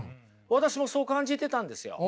私もそう感じてたんですよ。